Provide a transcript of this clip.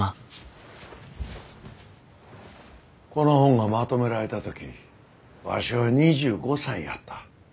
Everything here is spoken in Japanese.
この本がまとめられた時わしは２５歳やった。